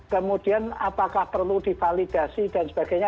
kemudian apakah perlu divalidasi dan sebagainya